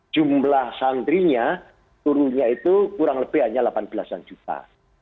jumlah santrinya turunnya itu kurang lebih hanya delapan belas an juta